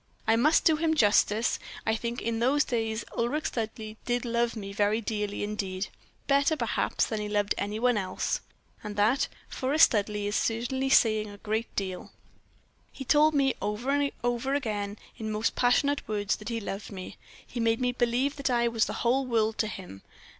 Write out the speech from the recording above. I must do him justice; I think that in those days Ulric Studleigh did love me very dearly indeed, better, perhaps, than he loved any one else; and that, for a Studleigh, is certainly saying great deal. He told me, over and over again, in most passionate words, that he loved me. He made me believe that I was the whole world to him.